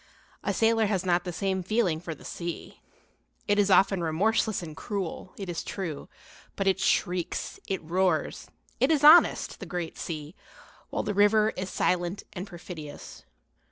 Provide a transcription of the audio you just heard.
A sailor has not the same feeling for the sea. It is often remorseless and cruel, it is true; but it shrieks, it roars, it is honest, the great sea; while the river is silent and perfidious.